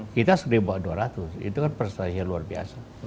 kita sudah bawa dua ratus itu kan persediaan luar biasa